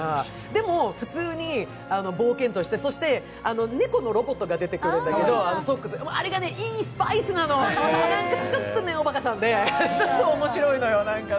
でも、普通に冒険として、そして猫のロボットが出てくるんだけど、ソックス、あれがいいスパイスなの、ちょっとおバカさんで面白いのよ、なんか。